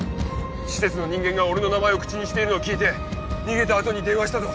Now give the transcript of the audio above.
施設の人間が俺の名前を口にしているのを聞いて逃げた後に電話したと。